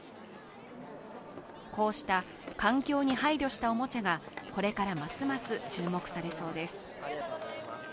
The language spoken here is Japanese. こうした環境に配慮したおもちゃが、これからますます注目されそうです。